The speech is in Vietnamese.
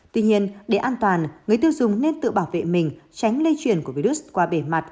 tuy nhiên để an toàn người tiêu dùng nên tự bảo vệ mình tránh lây chuyển của virus qua bề mặt